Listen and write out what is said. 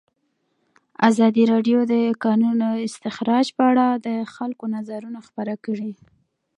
ازادي راډیو د د کانونو استخراج په اړه د خلکو نظرونه خپاره کړي.